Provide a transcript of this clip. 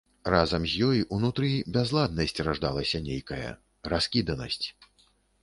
Разам з ёй унутры бязладнасць раджалася нейкая, раскіданасць.